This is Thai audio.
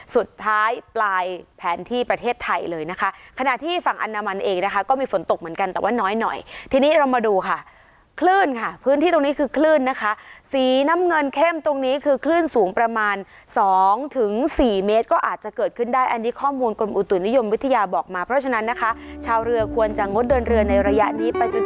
สุดท้ายปลายแผนที่ประเทศไทยเลยนะคะขณะที่ฝั่งอนามันเองนะคะก็มีฝนตกเหมือนกันแต่ว่าน้อยหน่อยทีนี้เรามาดูค่ะคลื่นค่ะพื้นที่ตรงนี้คือคลื่นนะคะสีน้ำเงินเข้มตรงนี้คือคลื่นสูงประมาณสองถึงสี่เมตรก็อาจจะเกิดขึ้นได้อันนี้ข้อมูลกรมอุตุนิยมวิทยาบอกมาเพราะฉะนั้นนะคะชาวเรือควรจะงดเดินเรือในระยะนี้ไปจน